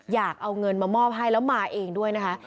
อยากเอาเงินมามอบให้แล้วมาเองด้วยนะคะ